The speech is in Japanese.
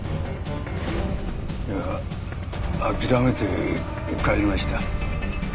いや諦めて帰りました。